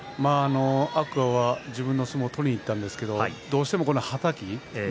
天空海は自分の相撲を取りにいったんですがどうしてもはたきですね